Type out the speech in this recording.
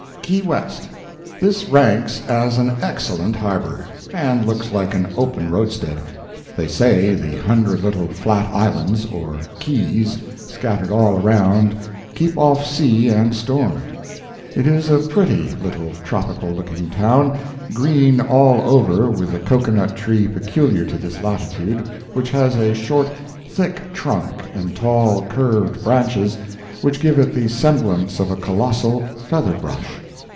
KEY WEST THIS ranks as an excellent harbor, and looks like an open roadstead. They say the hundred little flat islands, or keys, scattered all around keep off sea and storm. It is a pretty little tropical looking town, green all over with the cocoa nut tree peculiar to this latitude, which has a short, thick trunk and tall, curved branches, which give it the semblance of a colossal feather brush.